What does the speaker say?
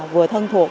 vừa thân thuộc